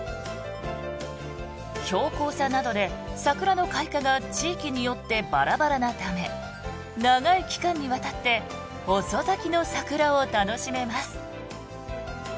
標高差などで桜の開花が地域によってばらばらのため長い期間にわたって遅咲きの桜を楽しめます。